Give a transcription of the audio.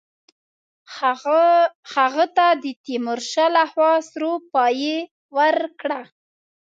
هغه ته د تیمورشاه له خوا سروپايي ورکړه.